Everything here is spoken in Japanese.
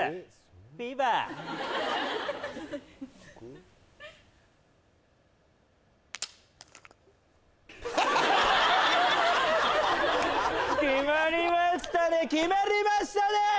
フィーバー決まりましたね決まりましたね